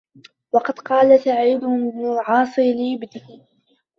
وَقَدْ قَالَ سَعِيدُ بْنُ الْعَاصِ لِابْنِهِ